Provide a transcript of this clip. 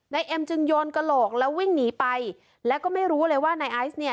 เอ็มจึงโยนกระโหลกแล้ววิ่งหนีไปแล้วก็ไม่รู้เลยว่านายไอซ์เนี่ย